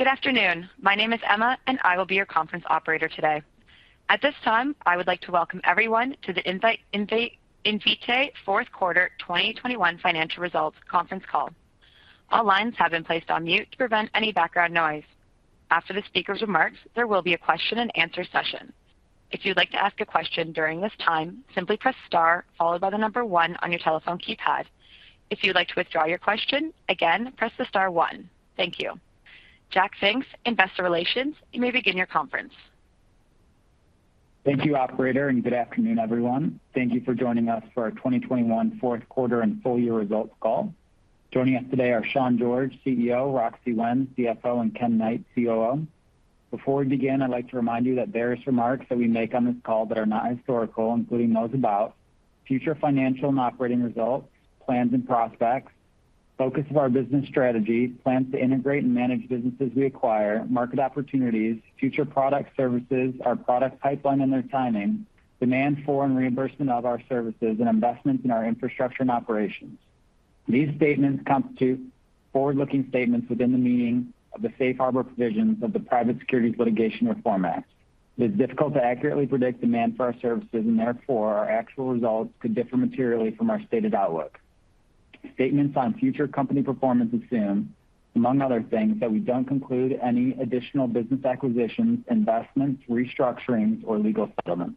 Good afternoon. My name is Emma, and I will be your conference operator today. At this time, I would like to welcome everyone to the Invitae Q4 2021 financial results conference call. All lines have been placed on mute to prevent any background noise. After the speaker's remarks, there will be a question and answer session. If you'd like to ask a question during this time, simply press star followed by the number one on your telephone keypad. If you'd like to withdraw your question, again, press the star one. Thank you. Jack Finks, investor relations, you may begin your conference. Thank you, operator, and good afternoon, everyone. Thank you for joining us for our 2021 Q4 and full year results call. Joining us today are Sean George, CEO, Roxi Wen, CFO, and Ken Knight, COO. Before we begin, I'd like to remind you that various remarks that we make on this call that are not historical, including those about future financial and operating results, plans and prospects, focus of our business strategy, plans to integrate and manage businesses we acquire, market opportunities, future products, services, our product pipeline and their timing, demand for and reimbursement of our services, and investments in our infrastructure and operations. These statements constitute forward-looking statements within the meaning of the safe harbor provisions of the Private Securities Litigation Reform Act. It is difficult to accurately predict demand for our services and therefore, our actual results could differ materially from our stated outlook. Statements on future company performance assume, among other things, that we don't conclude any additional business acquisitions, investments, restructurings, or legal settlements.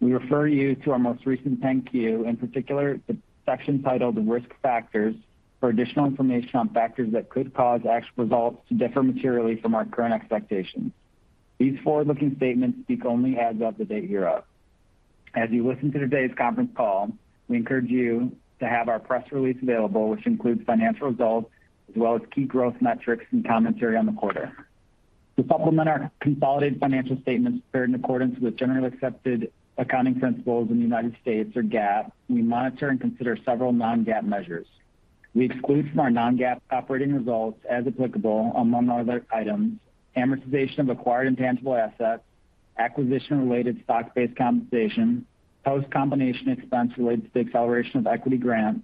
We refer you to our most recent 10-Q, in particular, the section titled Risk Factors for additional information on factors that could cause actual results to differ materially from our current expectations. These forward-looking statements speak only as of the date hereof. As you listen to today's conference call, we encourage you to have our press release available, which includes financial results as well as key growth metrics and commentary on the quarter. To supplement our consolidated financial statements prepared in accordance with generally accepted accounting principles in the United States or GAAP, we monitor and consider several non-GAAP measures. We exclude from our non-GAAP operating results as applicable among other items, amortization of acquired intangible assets, acquisition-related stock-based compensation, post-combination expense related to the acceleration of equity grants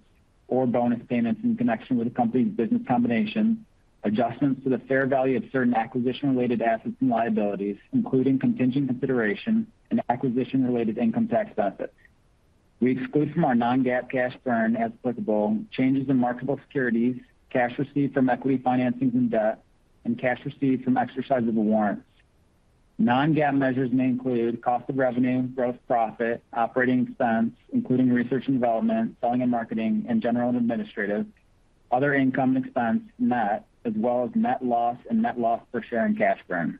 or bonus payments in connection with the company's business combination, adjustments to the fair value of certain acquisition-related assets and liabilities, including contingent consideration and acquisition-related income tax assets. We exclude from our non-GAAP cash burn, as applicable, changes in marketable securities, cash received from equity financings and debt, and cash received from exercise of the warrants. Non-GAAP measures may include cost of revenue, gross profit, operating expense, including research and development, selling and marketing, and general and administrative, other income expense net, as well as net loss and net loss per share and cash burn.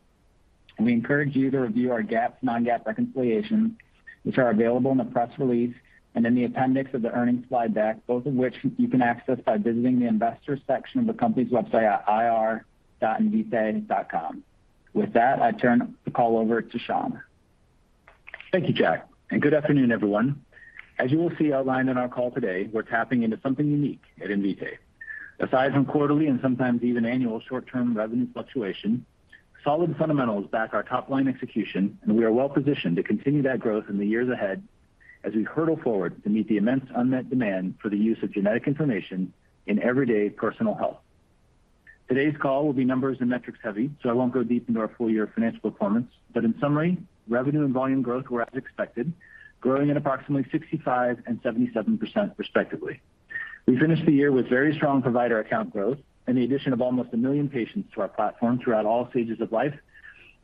We encourage you to review our GAAP non-GAAP reconciliation, which are available in the press release and in the appendix of the earnings slide deck, both of which you can access by visiting the investors section of the company's website at ir.invitae.com. With that, I turn the call over to Sean. Thank you, Jack, and good afternoon, everyone. As you will see outlined in our call today, we're tapping into something unique at Invitae. Aside from quarterly and sometimes even annual short-term revenue fluctuation, solid fundamentals back our top-line execution, and we are well-positioned to continue that growth in the years ahead as we hurtle forward to meet the immense unmet demand for the use of genetic information in everyday personal health. Today's call will be numbers and metrics heavy, so I won't go deep into our full year financial performance. In summary, revenue and volume growth were as expected, growing at approximately 65% and 77% respectively. We finished the year with very strong provider account growth and the addition of almost one million patients to our platform throughout all stages of life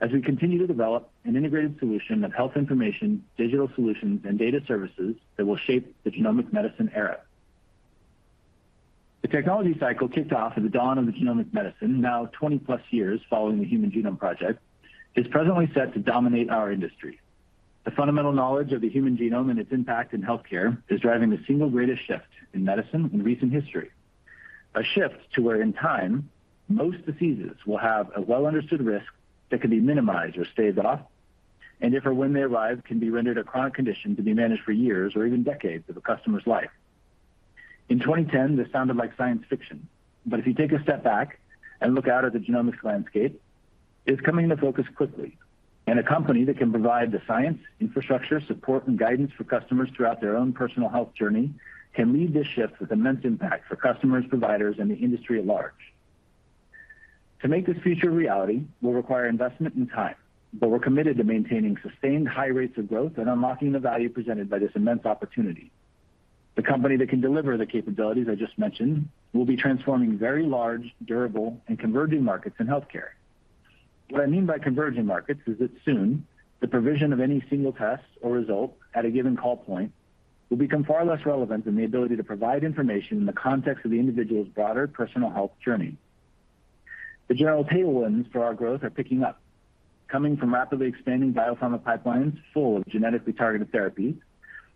as we continue to develop an integrated solution of health information, digital solutions, and data services that will shape the genomic medicine era. The technology cycle kicked off at the dawn of the genomic medicine, now 20+ years following the Human Genome Project, is presently set to dominate our industry. The fundamental knowledge of the human genome and its impact in healthcare is driving the single greatest shift in medicine in recent history. A shift to where in time most diseases will have a well-understood risk that can be minimized or staved off, and if or when they arrive, can be rendered a chronic condition to be managed for years or even decades of a customer's life. In 2010, this sounded like science fiction. If you take a step back and look out at the genomics landscape, it's coming into focus quickly. A company that can provide the science, infrastructure, support, and guidance for customers throughout their own personal health journey can lead this shift with immense impact for customers, providers, and the industry at large. To make this future a reality will require investment and time, but we're committed to maintaining sustained high rates of growth and unlocking the value presented by this immense opportunity. The company that can deliver the capabilities I just mentioned will be transforming very large, durable, and converging markets in healthcare. What I mean by converging markets is that soon the provision of any single test or result at a given call point will become far less relevant than the ability to provide information in the context of the individual's broader personal health journey. The general tailwinds for our growth are picking up, coming from rapidly expanding biopharma pipelines full of genetically targeted therapies,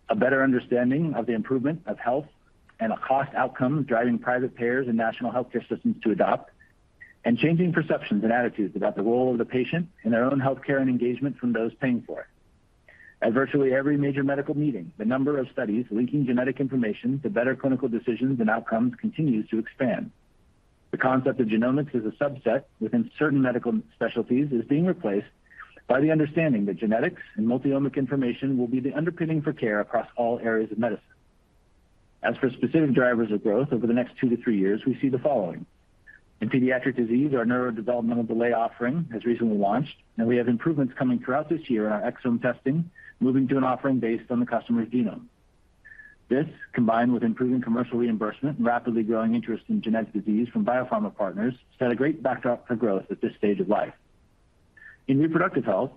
a better understanding of the improvement of health and a cost outcome driving private payers and national healthcare systems to adopt, and changing perceptions and attitudes about the role of the patient in their own healthcare and engagement from those paying for it. At virtually every major medical meeting, the number of studies linking genetic information to better clinical decisions and outcomes continues to expand. The concept of genomics as a subset within certain medical specialties is being replaced by the understanding that genetics and multi-omic information will be the underpinning for care across all areas of medicine. As for specific drivers of growth over the next two to three years, we see the following. In pediatric disease, our neurodevelopmental delay offering has recently launched, and we have improvements coming throughout this year in our exome testing, moving to an offering based on the customer's genome. This, combined with improving commercial reimbursement and rapidly growing interest in genetic disease from biopharma partners, set a great backdrop for growth at this stage of life. In reproductive health,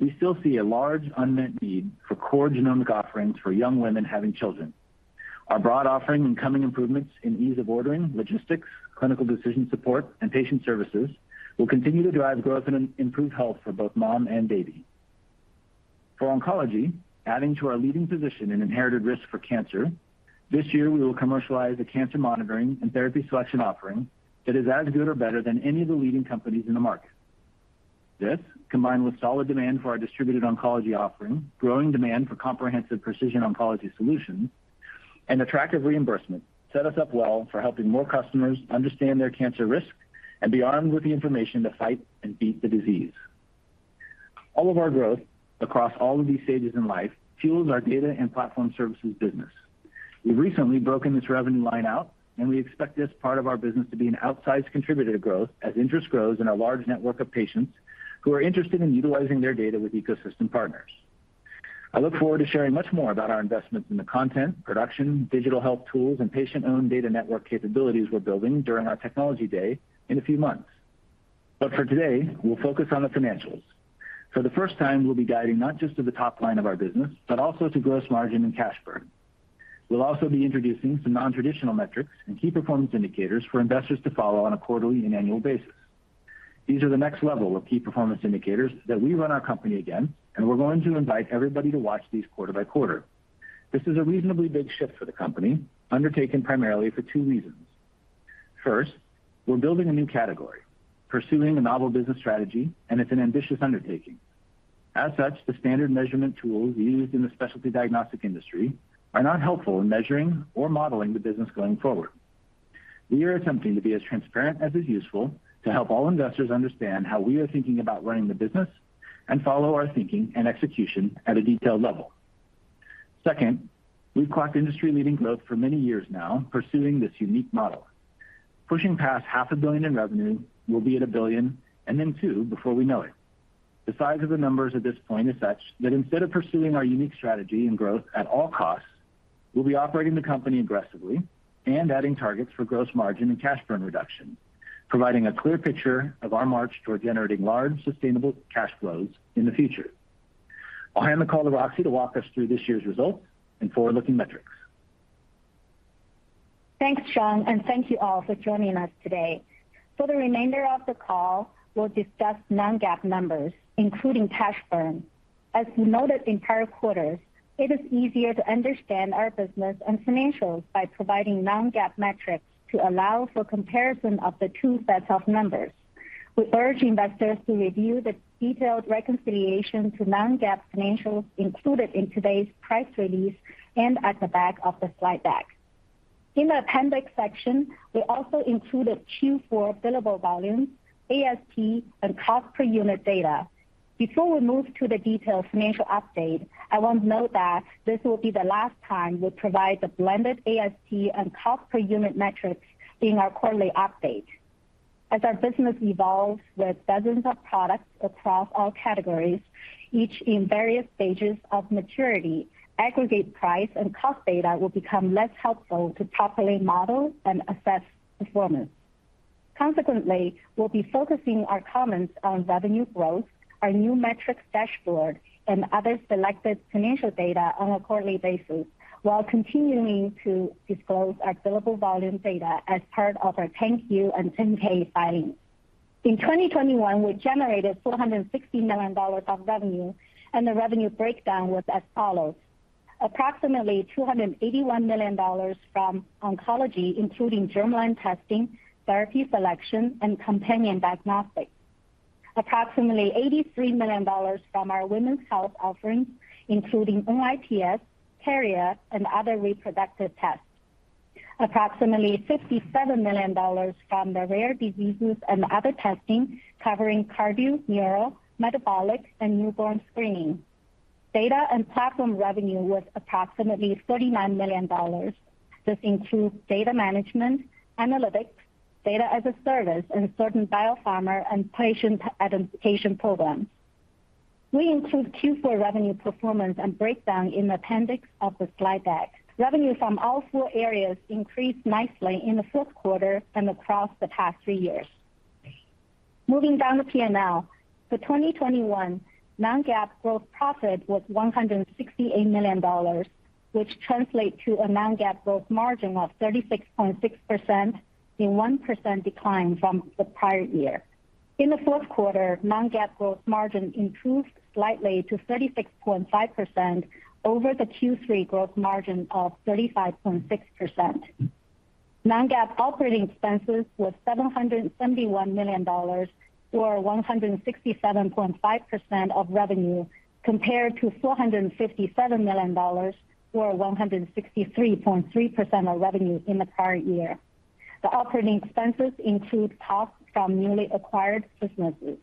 we still see a large unmet need for core genomic offerings for young women having children. Our broad offering and coming improvements in ease of ordering, logistics, clinical decision support, and patient services will continue to drive growth and improve health for both mom and baby. For oncology, adding to our leading position in inherited risk for cancer, this year we will commercialize a cancer monitoring and therapy selection offering that is as good or better than any of the leading companies in the market. This, combined with solid demand for our distributed oncology offering, growing demand for comprehensive precision oncology solutions, and attractive reimbursement, set us up well for helping more customers understand their cancer risk and be armed with the information to fight and beat the disease. All of our growth across all of these stages in life fuels our data and platform services business. We've recently broken this revenue line out, and we expect this part of our business to be an outsized contributor to growth as interest grows in our large network of patients who are interested in utilizing their data with ecosystem partners. I look forward to sharing much more about our investments in the content, production, digital health tools, and patient-owned data network capabilities we're building during our technology day in a few months. For today, we'll focus on the financials. For the first time, we'll be guiding not just to the top line of our business, but also to gross margin and cash burn. We'll also be introducing some non-traditional metrics and key performance indicators for investors to follow on a quarterly and annual basis. These are the next level of key performance indicators that we run our company by, and we're going to invite everybody to watch these quarter by quarter. This is a reasonably big shift for the company, undertaken primarily for two reasons. First, we're building a new category, pursuing a novel business strategy, and it's an ambitious undertaking. As such, the standard measurement tools used in the specialty diagnostic industry are not helpful in measuring or modeling the business going forward. We are attempting to be as transparent as is useful to help all investors understand how we are thinking about running the business and follow our thinking and execution at a detailed level. Second, we've clocked industry-leading growth for many years now, pursuing this unique model. Pushing past $half a billion in revenue, we'll be at $1 billion and then $2 billion before we know it. The size of the numbers at this point is such that instead of pursuing our unique strategy and growth at all costs, we'll be operating the company aggressively and adding targets for gross margin and cash burn reduction, providing a clear picture of our march toward generating large, sustainable cash flows in the future. I'll hand the call to Roxi to walk us through this year's results and forward-looking metrics. Thanks, Sean, and thank you all for joining us today. For the remainder of the call, we'll discuss non-GAAP numbers, including cash burn. As we noted in prior quarters, it is easier to understand our business and financials by providing non-GAAP metrics to allow for comparison of the two sets of numbers. We urge investors to review the detailed reconciliation to non-GAAP financials included in today's press release and at the back of the slide deck. In the appendix section, we also included Q4 billable volumes, ASP, and cost per unit data. Before we move to the detailed financial update, I want to note that this will be the last time we'll provide the blended ASP and cost per unit metrics in our quarterly update. As our business evolves with dozens of products across all categories, each in various stages of maturity, aggregate price and cost data will become less helpful to properly model and assess performance. Consequently, we'll be focusing our comments on revenue growth, our new metrics dashboard, and other selected financial data on a quarterly basis, while continuing to disclose our billable volume data as part of our 10-Q and 10-K filings. In 2021, we generated $460 million of revenue, and the revenue breakdown was as follows. Approximately $281 million from oncology, including germline testing, therapy selection, and companion diagnostics. Approximately $83 million from our women's health offerings, including NIPS, carrier, and other reproductive tests. Approximately $57 million from the rare diseases and other testing, covering cardio, neuro, metabolic, and newborn screening. Data and platform revenue was approximately $39 million. This includes data management, analytics, data as a service, and certain biopharma and patient identification programs. We include Q4 revenue performance and breakdown in the appendix of the slide deck. Revenue from all four areas increased nicely in the Q4 and across the past three years. Moving down the P&L, for 2021, non-GAAP gross profit was $168 million, which translates to a non-GAAP gross margin of 36.6%, a 1% decline from the prior year. In the Q4, non-GAAP gross margin improved slightly to 36.5% over the Q3 gross margin of 35.6%. Non-GAAP operating expenses was $771 million, or 167.5% of revenue, compared to $457 million, or 163.3% of revenue in the prior year. The operating expenses include costs from newly acquired businesses.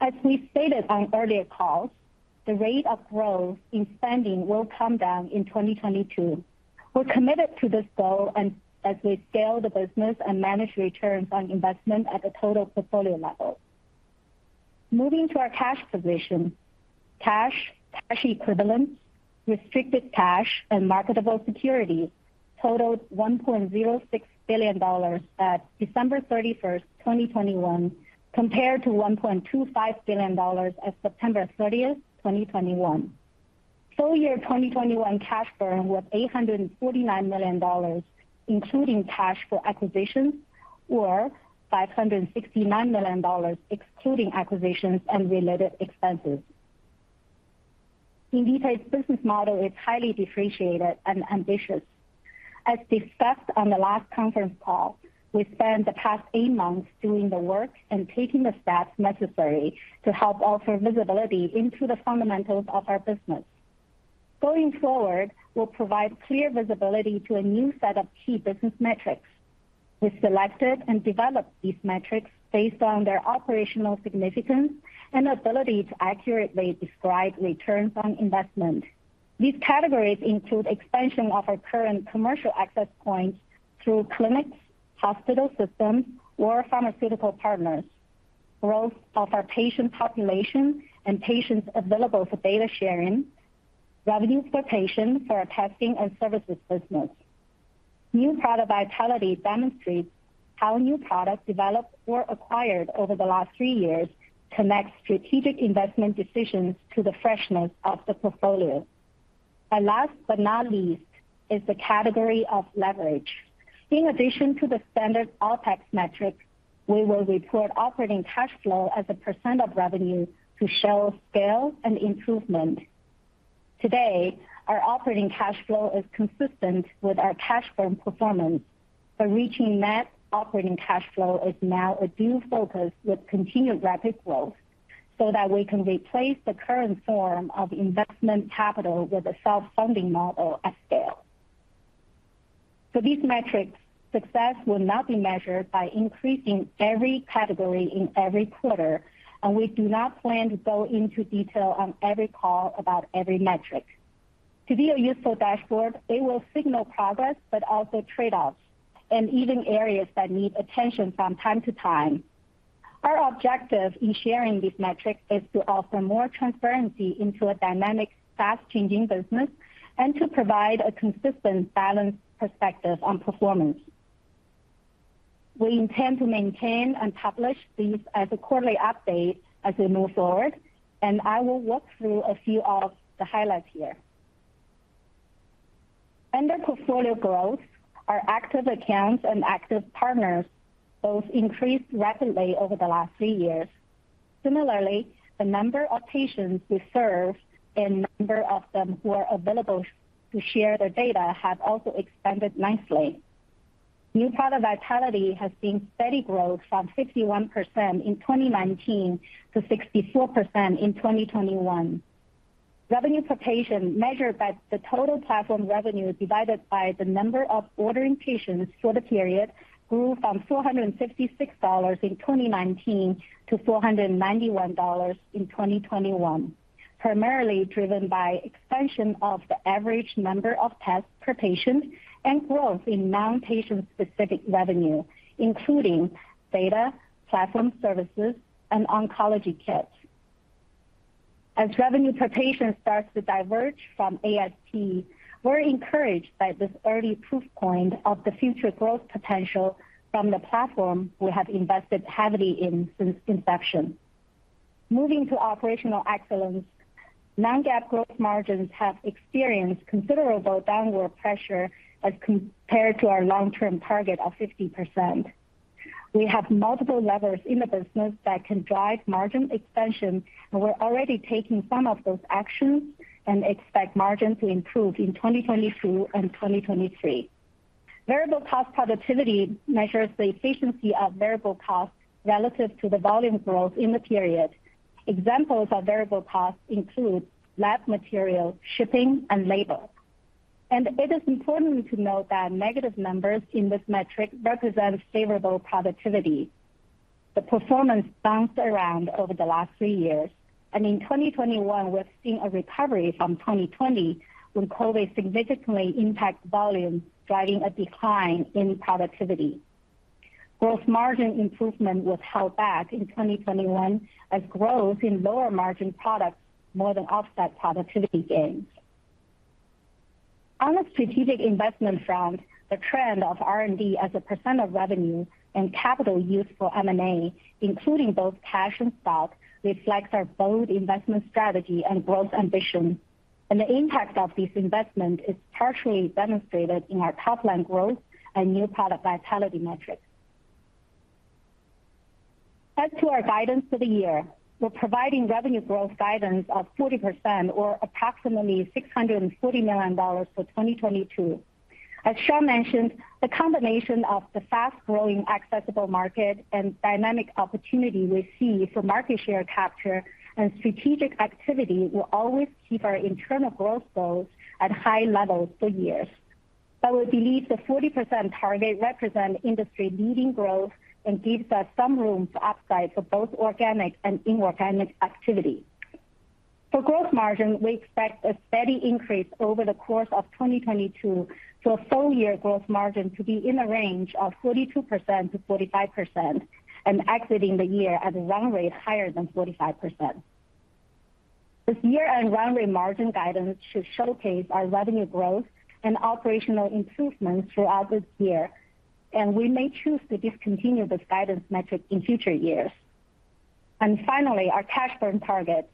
As we stated on earlier calls, the rate of growth in spending will come down in 2022. We're committed to this goal and as we scale the business and manage returns on investment at the total portfolio level. Moving to our cash position. Cash, cash equivalents, restricted cash, and marketable securities totaled $1.06 billion at December 31, 2021, compared to $1.25 billion at September 30, 2021. Full year 2021 cash burn was $849 million, including cash for acquisitions, or $569 million, excluding acquisitions and related expenses. Invitae's business model is highly differentiated and ambitious. As discussed on the last conference call, we spent the past eight months doing the work and taking the steps necessary to help offer visibility into the fundamentals of our business. Going forward, we'll provide clear visibility to a new set of key business metrics. We selected and developed these metrics based on their operational significance and ability to accurately describe returns on investment. These categories include expansion of our current commercial access points through clinics, hospital systems, or pharmaceutical partners, growth of our patient population and patients available for data sharing, revenue per patient for our testing and services business. New product vitality demonstrates how new products developed or acquired over the last three years connect strategic investment decisions to the freshness of the portfolio. Last but not least is the category of leverage. In addition to the standard OpEx metrics, we will report operating cash flow as a % of revenue to show scale and improvement. Today, our operating cash flow is consistent with our cash burn performance, but reaching net operating cash flow is now a key focus with continued rapid growth, so that we can replace the current form of investment capital with a self-funding model at scale. For these metrics, success will not be measured by increasing every category in every quarter, and we do not plan to go into detail on every call about every metric. To be a useful dashboard, they will signal progress but also trade-offs, and even areas that need attention from time to time. Our objective in sharing these metrics is to offer more transparency into a dynamic, fast-changing business and to provide a consistent, balanced perspective on performance. We intend to maintain and publish these as a quarterly update as we move forward, and I will walk through a few of the highlights here. Under portfolio growth, our active accounts and active partners both increased rapidly over the last three years. Similarly, the number of patients we serve and number of them who are available to share their data have also expanded nicely. New product vitality has seen steady growth from 61% in 2019 to 64% in 2021. Revenue per patient measured by the total platform revenue divided by the number of ordering patients for the period grew from $466 in 2019 to $491 in 2021, primarily driven by expansion of the average number of tests per patient and growth in non-patient-specific revenue, including data, platform services, and oncology kits. As revenue per patient starts to diverge from ASP, we're encouraged by this early proof point of the future growth potential from the platform we have invested heavily in since inception. Moving to operational excellence, non-GAAP gross margins have experienced considerable downward pressure as compared to our long-term target of 50%. We have multiple levers in the business that can drive margin expansion, and we're already taking some of those actions and expect margin to improve in 2022 and 2023. Variable cost productivity measures the efficiency of variable costs relative to the volume growth in the period. Examples of variable costs include lab material, shipping, and labor. It is important to note that negative numbers in this metric represent favorable productivity. The performance bounced around over the last three years, and in 2021, we're seeing a recovery from 2020 when COVID significantly impacted volume, driving a decline in productivity. Gross margin improvement was held back in 2021 as growth in lower margin products more than offset productivity gains. On the strategic investment front, the trend of R&D as a % of revenue and capital used for M&A, including both cash and stock, reflects our bold investment strategy and growth ambition, and the impact of this investment is partially demonstrated in our top-line growth and new product vitality metrics. As to our guidance for the year, we're providing revenue growth guidance of 40% or approximately $640 million for 2022. As Sean mentioned, the combination of the fast-growing accessible market and dynamic opportunity we see for market share capture and strategic activity will always keep our internal growth goals at high levels for years. We believe the 40% target represent industry-leading growth and gives us some room for upside for both organic and inorganic activity. For growth margin, we expect a steady increase over the course of 2022 to a full year growth margin to be in the range of 42%-45% and exiting the year at a run rate higher than 45%. This year-end run rate margin guidance should showcase our revenue growth and operational improvements throughout this year, and we may choose to discontinue this guidance metric in future years. Finally, our cash burn targets.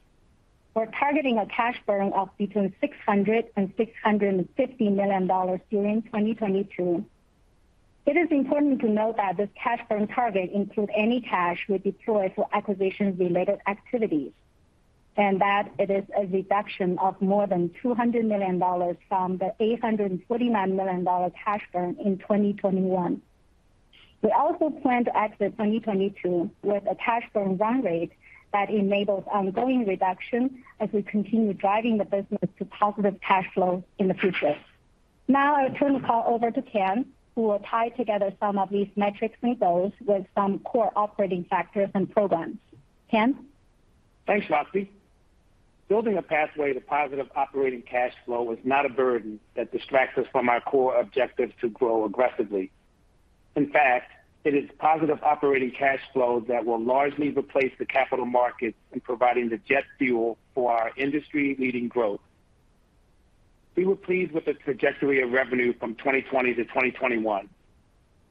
We're targeting a cash burn of between $600 million and $650 million during 2022. It is important to note that this cash burn target includes any cash we deploy for acquisition-related activities, and that it is a reduction of more than $200 million from the $849 million cash burn in 2021. We also plan to exit 2022 with a cash burn run rate that enables ongoing reduction as we continue driving the business to positive cash flow in the future. Now I'll turn the call over to Ken, who will tie together some of these metrics and goals with some core operating factors and programs. Ken? Thanks, Roxi. Building a pathway to positive operating cash flow is not a burden that distracts us from our core objective to grow aggressively. In fact, it is positive operating cash flow that will largely replace the capital markets in providing the jet fuel for our industry-leading growth. We were pleased with the trajectory of revenue from 2020 to 2021,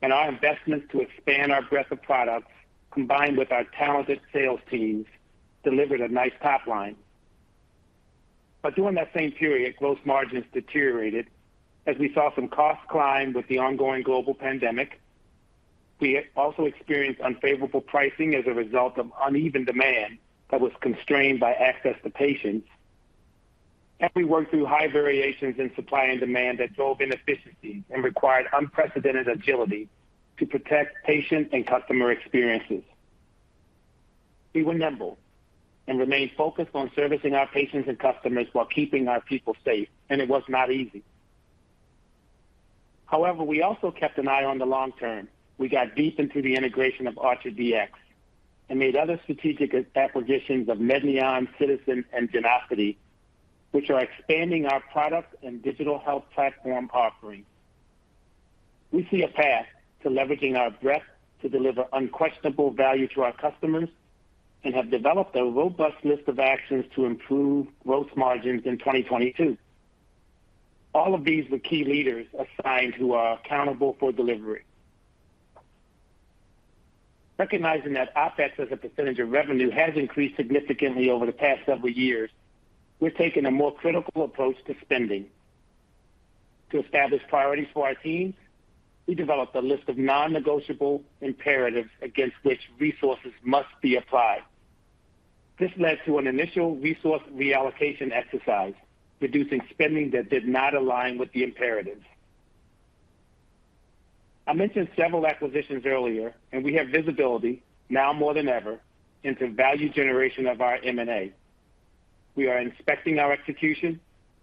and our investments to expand our breadth of products, combined with our talented sales teams, delivered a nice top line. During that same period, gross margins deteriorated as we saw some costs climb with the ongoing global pandemic. We also experienced unfavorable pricing as a result of uneven demand that was constrained by access to patients. We worked through high variations in supply and demand that drove inefficiencies and required unprecedented agility to protect patient and customer experiences. We were nimble and remained focused on servicing our patients and customers while keeping our people safe, and it was not easy. However, we also kept an eye on the long term. We got deep into the integration of ArcherDX and made other strategic acquisitions of Medneon, Ciitizen, and Genosity, which are expanding our products and digital health platform offerings. We see a path to leveraging our breadth to deliver unquestionable value to our customers and have developed a robust list of actions to improve gross margins in 2022. All of these with key leaders assigned who are accountable for delivery. Recognizing that OpEx as a percentage of revenue has increased significantly over the past several years, we're taking a more critical approach to spending. To establish priorities for our teams, we developed a list of non-negotiable imperatives against which resources must be applied. This led to an initial resource reallocation exercise, reducing spending that did not align with the imperatives. I mentioned several acquisitions earlier, and we have visibility now more than ever into value generation of our M&A. We are inspecting our execution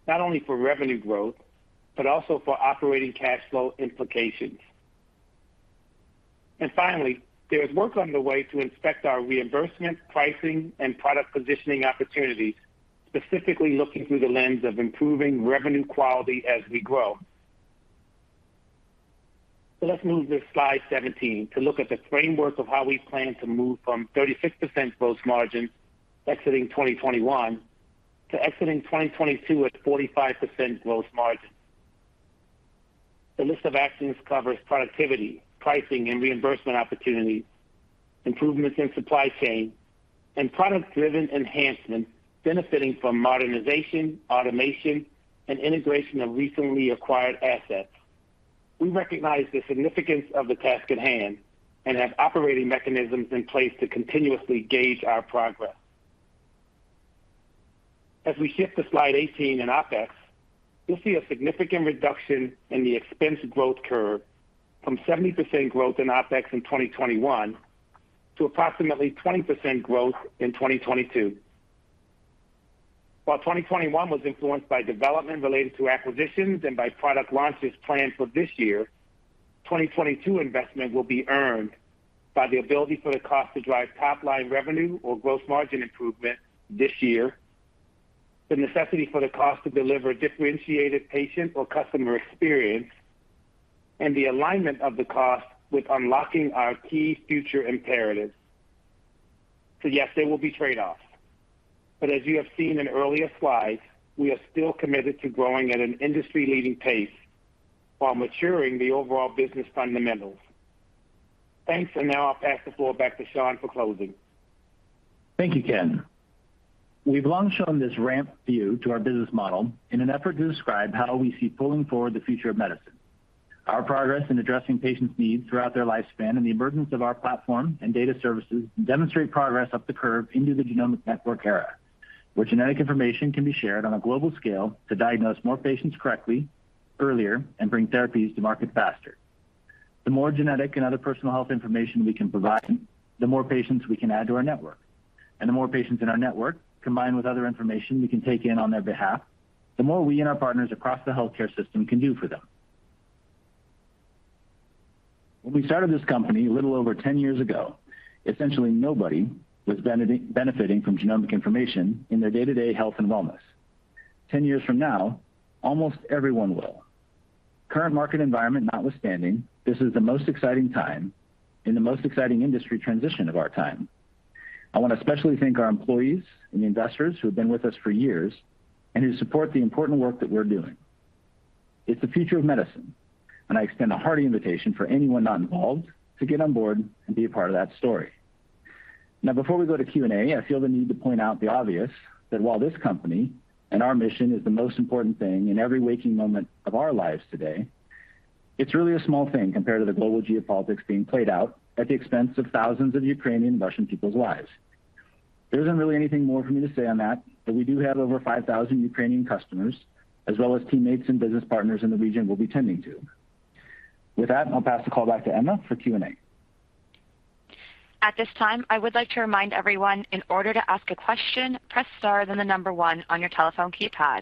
not only for revenue growth, but also for operating cash flow implications. Finally, there is work underway to inspect our reimbursement, pricing, and product positioning opportunities, specifically looking through the lens of improving revenue quality as we grow. Let's move to slide 17 to look at the framework of how we plan to move from 36% gross margin exiting 2021 to exiting 2022 at 45% gross margin. The list of actions covers productivity, pricing and reimbursement opportunities, improvements in supply chain, and product-driven enhancements benefiting from modernization, automation, and integration of recently acquired assets. We recognize the significance of the task at hand and have operating mechanisms in place to continuously gauge our progress. As we shift to slide 18 in OpEx, you'll see a significant reduction in the expense growth curve from 70% growth in OpEx in 2021 to approximately 20% growth in 2022. While 2021 was influenced by development related to acquisitions and by product launches planned for this year, 2022 investment will be earned by the ability for the cost to drive top-line revenue or gross margin improvement this year, the necessity for the cost to deliver differentiated patient or customer experience, and the alignment of the cost with unlocking our key future imperatives. Yes, there will be trade-offs, but as you have seen in earlier slides, we are still committed to growing at an industry-leading pace while maturing the overall business fundamentals. Thanks. Now I'll pass the floor back to Sean for closing. Thank you, Ken. We've long shown this ramp view to our business model in an effort to describe how we see pulling forward the future of medicine. Our progress in addressing patients' needs throughout their lifespan and the emergence of our platform and data services demonstrate progress up the curve into the genomic network era, where genetic information can be shared on a global scale to diagnose more patients correctly, earlier, and bring therapies to market faster. The more genetic and other personal health information we can provide, the more patients we can add to our network. The more patients in our network, combined with other information we can take in on their behalf, the more we and our partners across the healthcare system can do for them. When we started this company a little over 10 years ago, essentially nobody was benefiting from genomic information in their day-to-day health and wellness. 10 years from now, almost everyone will. Current market environment notwithstanding, this is the most exciting time in the most exciting industry transition of our time. I want to especially thank our employees and investors who have been with us for years and who support the important work that we're doing. It's the future of medicine, and I extend a hearty invitation for anyone not involved to get on board and be a part of that story. Now, before we go to Q&A, I feel the need to point out the obvious, that while this company and our mission is the most important thing in every waking moment of our lives today, it's really a small thing compared to the global geopolitics being played out at the expense of thousands of Ukrainian and Russian people's lives. There isn't really anything more for me to say on that, but we do have over 5,000 Ukrainian customers, as well as teammates and business partners in the region we'll be tending to. With that, I'll pass the call back to Emma for Q&A. At this time, I would like to remind everyone, to ask a question, press star, then number one on your telephone keypad.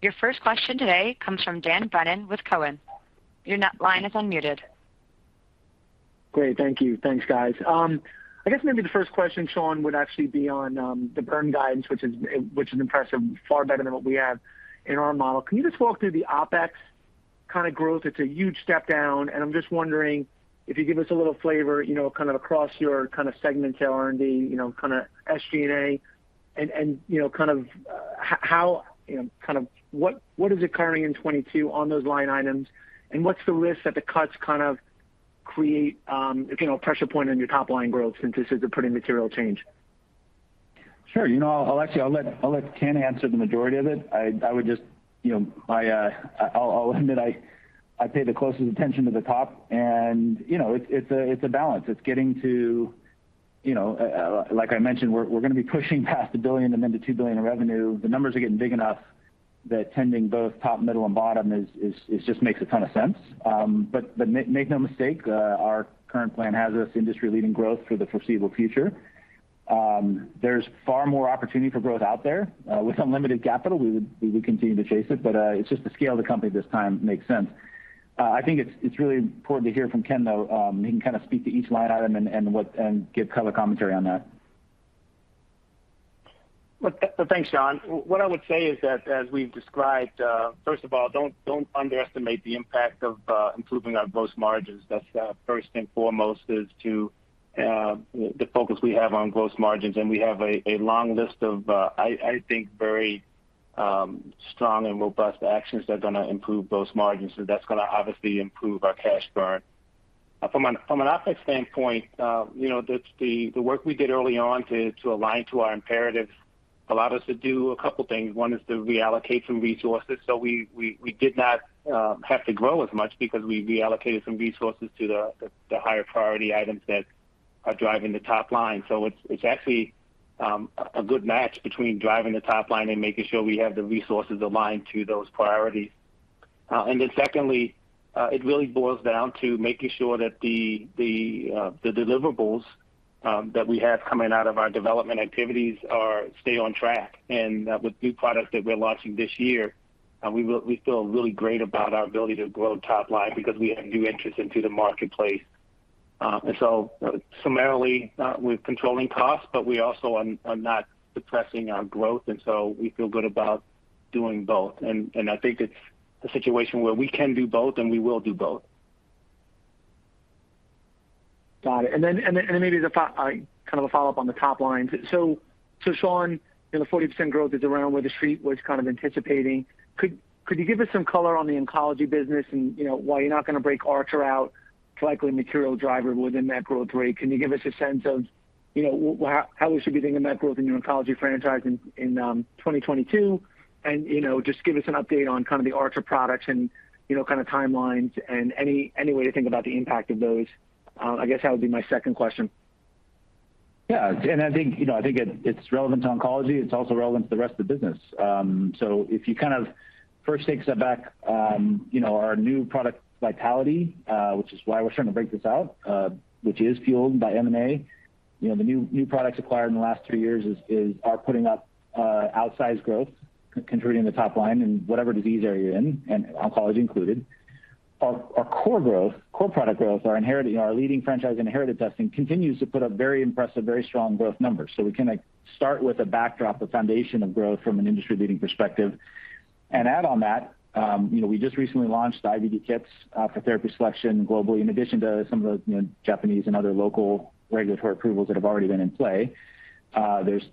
Your first question today comes from Dan Brennan with Cowen. Your line is unmuted. Great. Thank you. Thanks, guys. I guess maybe the first question, Sean, would actually be on the burn guidance, which is impressive, far better than what we have in our model. Can you just walk through the OpEx kind of growth? It's a huge step down, and I'm just wondering if you give us a little flavor, you know, kind of across your kind of segments, say, R&D, you know, kind of SG&A and, you know, kind of how, you know, kind of what is occurring in 2022 on those line items, and what's the risk that the cuts kind of create, you know, a pressure point on your top-line growth since this is a pretty material change? Sure. You know, I'll actually let Ken answer the majority of it. I would just, you know, I'll admit I pay the closest attention to the top and, you know, it's a balance. It's getting to, you know, like I mentioned, we're going to be pushing past $1 billion and then to $2 billion in revenue. The numbers are getting big enough that tending both top, middle, and bottom is just makes a ton of sense. Make no mistake, our current plan has us industry-leading growth for the foreseeable future. There's far more opportunity for growth out there. With unlimited capital, we would continue to chase it, but it's just the scale of the company this time makes sense. I think it's really important to hear from Ken, though. He can kind of speak to each line item and give color commentary on that. Well, thanks, Sean. What I would say is that as we've described, first of all, don't underestimate the impact of improving our gross margins. That's first and foremost the focus we have on gross margins, and we have a long list of, I think, very strong and robust actions that are going to improve gross margins. So that's going to obviously improve our cash burn. From an OpEx standpoint, you know, the work we did early on to align to our imperatives allowed us to do a couple things. One is to reallocate some resources. So we did not have to grow as much because we reallocated some resources to the higher priority items that are driving the top line. It's actually a good match between driving the top line and making sure we have the resources aligned to those priorities. Secondly, it really boils down to making sure that the deliverables that we have coming out of our development activities stay on track. With new products that we're launching this year, we feel really great about our ability to grow top line because we have new entrants into the marketplace. Summarily, we're controlling costs, but we also are not suppressing our growth, and so we feel good about doing both. I think it's a situation where we can do both, and we will do both. Got it. Then maybe kind of a follow-up on the top line. So Sean, you know, the 40% growth is around where the street was kind of anticipating. Could you give us some color on the oncology business and, you know, while you're not going to break Archer out, it's likely a material driver within that growth rate. Can you give us a sense of, you know, how we should be thinking that growth in your oncology franchise in 2022? You know, just give us an update on kind of the Archer products and, you know, kind of timelines and any way to think about the impact of those. I guess that would be my second question. Yeah. I think, you know, it is relevant to oncology. It is also relevant to the rest of the business. If you kind of first take a step back, you know, our new product vitality, which is why we are starting to break this out, which is fueled by M&A, you know, the new products acquired in the last two years are putting up outsized growth, contributing to top line in whatever disease area you are in, and oncology included. Our core growth, core product growth, our leading franchise inherited testing continues to put up very impressive, very strong growth numbers. We kind of start with a backdrop, a foundation of growth from an industry-leading perspective. Add on that, you know, we just recently launched IVD kits for therapy selection globally, in addition to some of the, you know, Japanese and other local regulatory approvals that have already been in play. There's,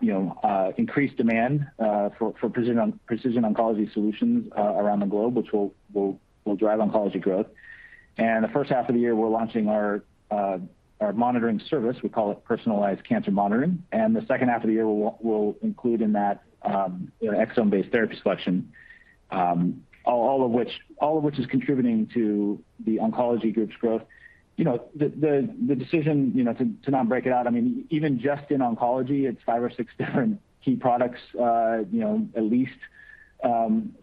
you know, increased demand for precision oncology solutions around the globe, which will drive oncology growth. The first half of the year, we're launching our monitoring service. We call it Personalized Cancer Monitoring. The second half of the year, we'll include in that, you know, exome-based therapy selection, all of which is contributing to the oncology group's growth. You know, the decision, you know, to not break it out, I mean, even just in oncology, it's five or six different key products, you know, at least.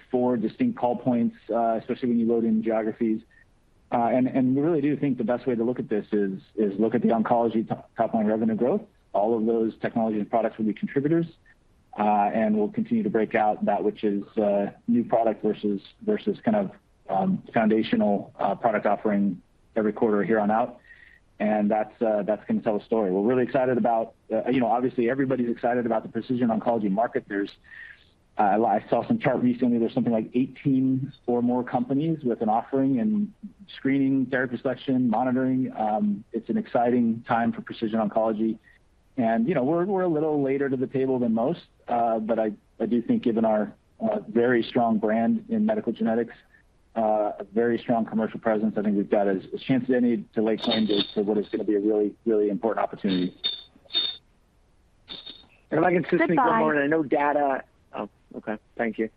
Four distinct call points, especially when you load in geographies. We really do think the best way to look at this is to look at the oncology top line revenue growth. All of those technology and products will be contributors. We'll continue to break out that which is new product versus kind of foundational product offering every quarter here on out. That's gonna tell the story. We're really excited about, you know, obviously everybody's excited about the precision oncology market. I saw some chart recently, there's something like 18 or more companies with an offering in screening, therapy selection, monitoring. It's an exciting time for precision oncology. You know, we're a little later to the table than most, but I do think given our very strong brand in medical genetics, a very strong commercial presence, I think we've got as good a chance as any to lay claim to what is gonna be a really important opportunity. Goodbye. Oh, okay. Thank you.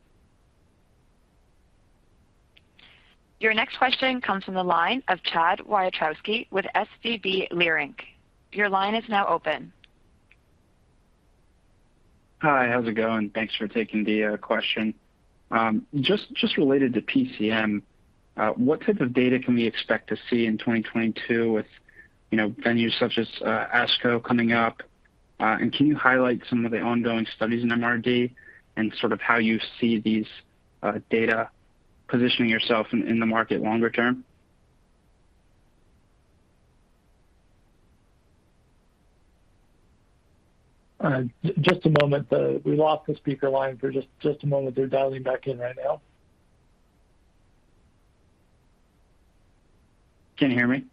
Your next question comes from the line of Chad Wiatrowski with SVB Leerink. Your line is now open. Hi, how's it going? Thanks for taking the question. Just related to PCM, what type of data can we expect to see in 2022 with venues such as ASCO coming up? Can you highlight some of the ongoing studies in MRD and sort of how you see these data positioning yourself in the market longer term? Just a moment. We lost the speaker line for just a moment. They're dialing back in right now. Can you hear me?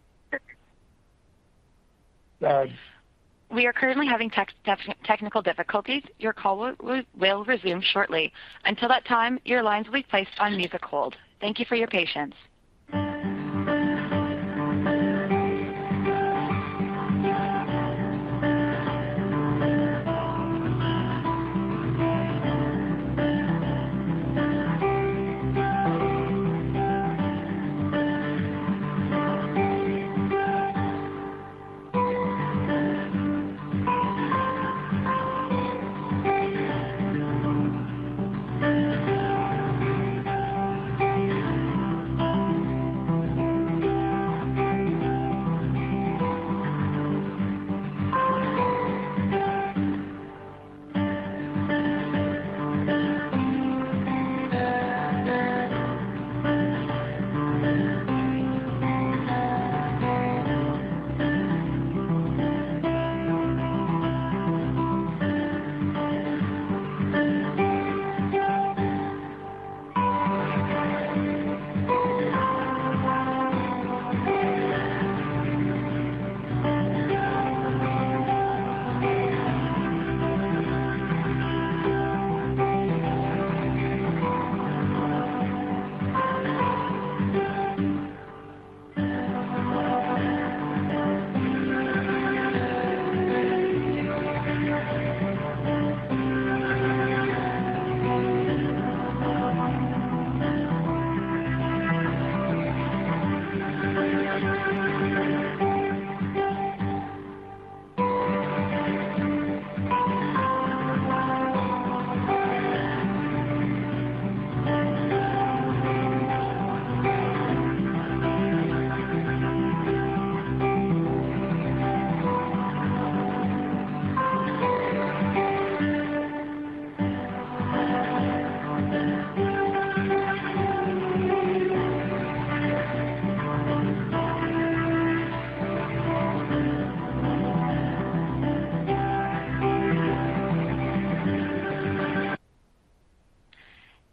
Yes. We are currently having technical difficulties. Your call will resume shortly. Until that time, your lines will be placed on music hold. Thank you for your patience.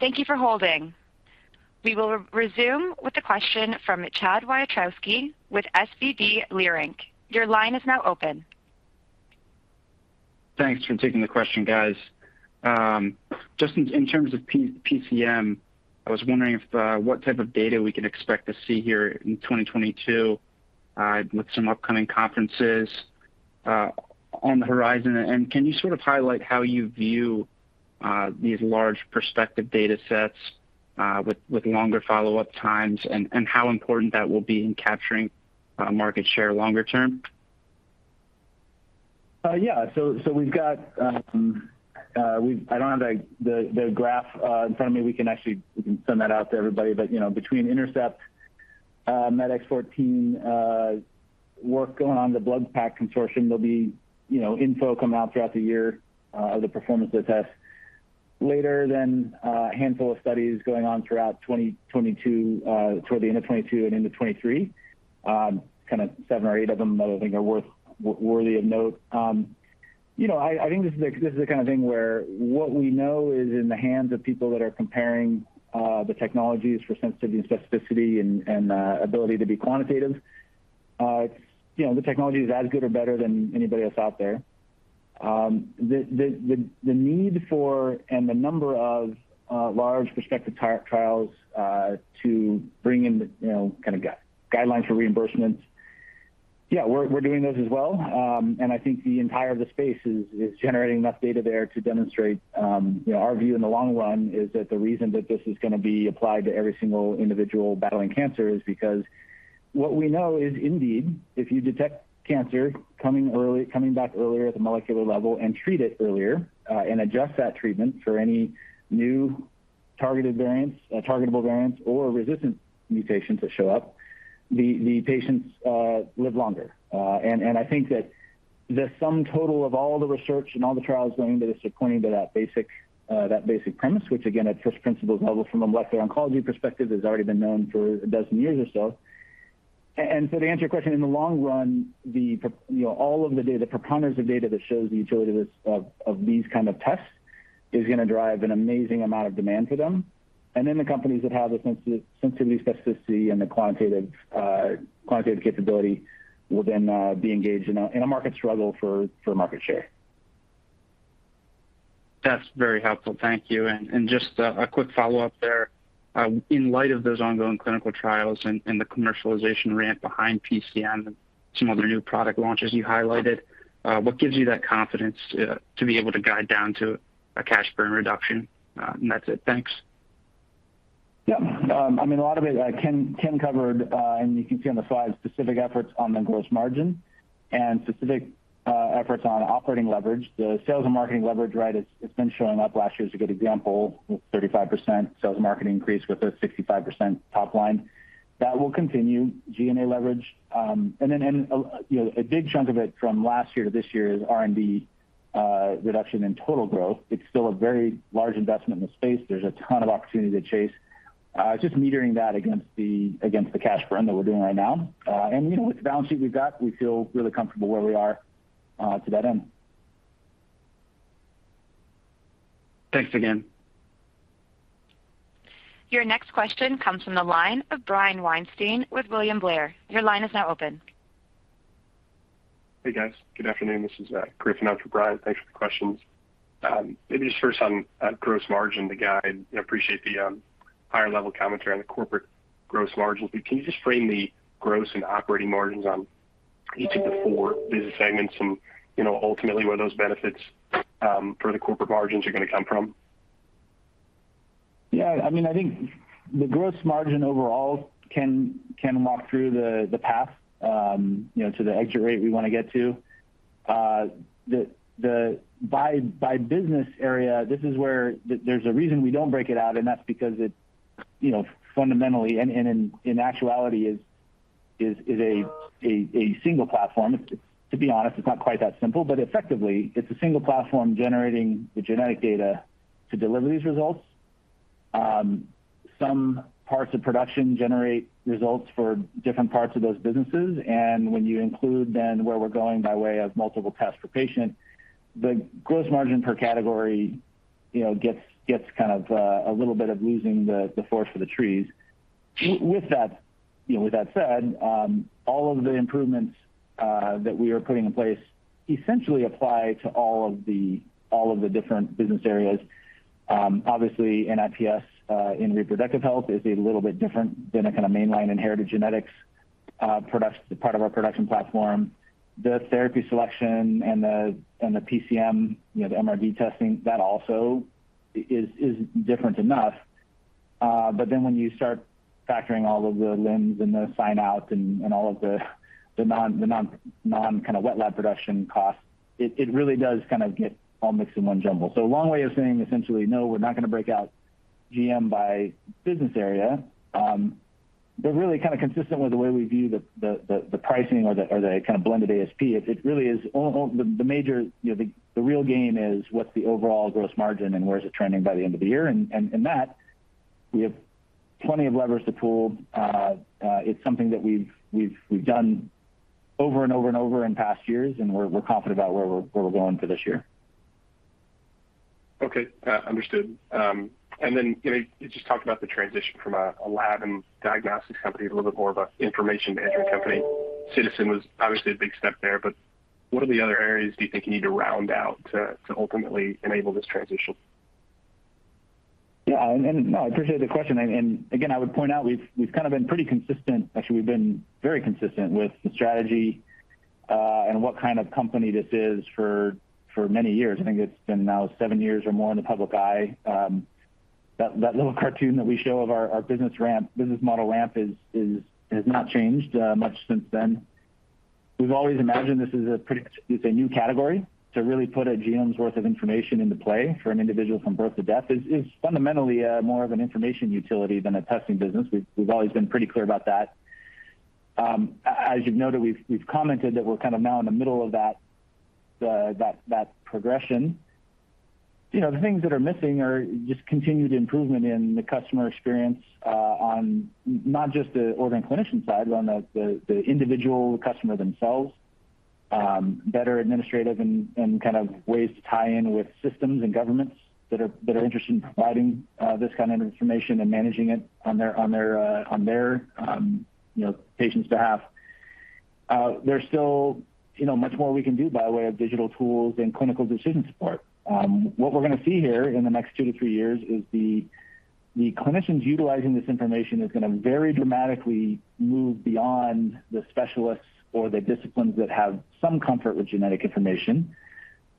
Thank you for holding. We will resume with a question from Chad Wiatrowski with SVB Leerink. Your line is now open. Thanks for taking the question, guys. Just in terms of PCM, I was wondering what type of data we can expect to see here in 2022 with some upcoming conferences on the horizon. Can you sort of highlight how you view these large prospective data sets with longer follow-up times and how important that will be in capturing market share longer term? Yeah. We've got. I don't have the graph in front of me. We can actually send that out to everybody. You know, between INTERCEPT, METex14, work going on the BloodPAC consortium, there'll be, you know, info coming out throughout the year of the performance of the tests. Later then, a handful of studies going on throughout 2022, toward the end of 2022 and into 2023. Kind of seven or eight of them that I think are worthy of note. You know, I think this is the kind of thing where what we know is in the hands of people that are comparing the technologies for sensitivity and specificity and ability to be quantitative. You know, the technology is as good or better than anybody else out there. The need for and the number of large prospective trials to bring in the, you know, kind of guidelines for reimbursements. Yeah, we're doing those as well. I think the entire space is generating enough data there to demonstrate, you know, our view in the long run is that the reason that this is gonna be applied to every single individual battling cancer is because what we know is indeed, if you detect cancer coming early, coming back earlier at the molecular level and treat it earlier, and adjust that treatment for any new targeted variants, targetable variants or resistant mutations that show up, the patients live longer. I think that the sum total of all the research and all the trials going into this are pointing to that basic premise, which again, at first principles level from a molecular oncology perspective, has already been known for a dozen years or so. To answer your question, in the long run, you know, all of the data, preponderance of data that shows the utility of these kind of tests is going to drive an amazing amount of demand for them. The companies that have the sensitivity specificity and the quantitative capability will then be engaged in a market struggle for market share. That's very helpful. Thank you. Just a quick follow-up there. In light of those ongoing clinical trials and the commercialization ramp behind PCM and some other new product launches you highlighted, what gives you that confidence to be able to guide down to a cash burn reduction? That's it. Thanks. Yeah. I mean, a lot of it, Ken covered, and you can see on the slide specific efforts on the gross margin and specific efforts on operating leverage. The sales and marketing leverage, right, it's been showing up. Last year is a good example, with 35% sales and marketing increase with a 65% top line. That will continue G&A leverage. And then, you know, a big chunk of it from last year to this year is R&D reduction in total growth. It's still a very large investment in the space. There's a ton of opportunity to chase, just metering that against the cash burn that we're doing right now. And, you know, with the balance sheet we've got, we feel really comfortable where we are, to that end. Thanks again. Your next question comes from the line of Brian Weinstein with William Blair. Your line is now open. Hey, guys. Good afternoon. This is Griffin on for Brian. Thanks for the questions. Maybe just first on gross margin, the guide. I appreciate the higher level commentary on the corporate gross margins, but can you just frame the gross and operating margins on each of the four business segments and, you know, ultimately, where those benefits for the corporate margins are going to come from? Yeah, I mean, I think the gross margin overall can walk through the path, you know, to the exit rate we want to get to. The by business area, this is where there's a reason we don't break it out, and that's because it, you know, fundamentally and in actuality is a single platform. To be honest, it's not quite that simple, but effectively it's a single platform generating the genetic data to deliver these results. Some parts of production generate results for different parts of those businesses. When you include then where we're going by way of multiple tests per patient, the gross margin per category, you know, gets kind of a little bit of losing the forest for the trees. With that, you know, with that said, all of the improvements that we are putting in place essentially apply to all of the different business areas. Obviously, NIPS in reproductive health is a little bit different than a kind of mainline inherited genetics product part of our production platform. The therapy selection and the PCM, you know, the MRD testing, that also is different enough. But then when you start factoring all of the LIMS and the sign outs and all of the non kind of wet lab production costs, it really does kind of get all mixed and unjumbled. A long way of saying essentially, no, we're not going to break out GM by business area. Really kind of consistent with the way we view the pricing or the kind of blended ASP, it really is all the major, you know, the real game is what's the overall gross margin and where is it trending by the end of the year. That we have plenty of levers to pull. It's something that we've done over and over and over in past years, and we're confident about where we're going for this year. Okay. Understood. You know, you just talked about the transition from a lab and diagnostics company to a little bit more of an information management company. Ciitizen was obviously a big step there, but what other areas do you think you need to round out to ultimately enable this transition? Yeah. No, I appreciate the question. Again, I would point out we've kind of been pretty consistent. Actually, we've been very consistent with the strategy and what kind of company this is for many years. I think it's been now seven years or more in the public eye. That little cartoon that we show of our business ramp, business model ramp has not changed much since then. We've always imagined this is a pretty new category to really put a genome's worth of information into play for an individual from birth to death. It's fundamentally more of an information utility than a testing business. We've always been pretty clear about that. As you've noted, we've commented that we're kind of now in the middle of that progression. You know, the things that are missing are just continued improvement in the customer experience, on not just the ordering clinician side, on the individual customer themselves, better administrative and kind of ways to tie in with systems and governments that are interested in providing this kind of information and managing it on their patients' behalf. There's still, you know, much more we can do by way of digital tools and clinical decision support. What we're going to see here in the next two to three years is the clinicians utilizing this information is going to very dramatically move beyond the specialists or the disciplines that have some comfort with genetic information.